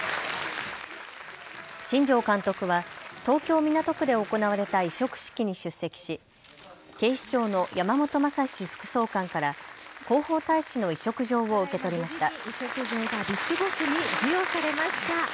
新庄監督は東京港区で行われた委嘱式に出席し警視庁の山本仁副総監から広報大使の委嘱状を受け取りました。